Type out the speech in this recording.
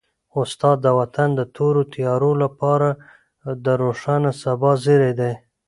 استاد د وطن د تورو تیارو لپاره د روښانه سبا زېری دی.